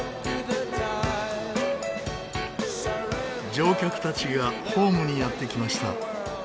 乗客たちがホームにやって来ました。